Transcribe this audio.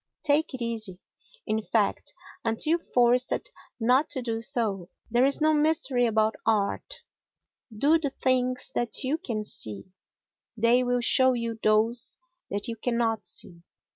Take it easy, in fact, until forced not to do so. There is no mystery about art. Do the things that you can see; they will show you those that you cannot see.